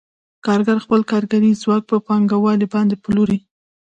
کارګر خپل کاري ځواک په پانګوال باندې پلوري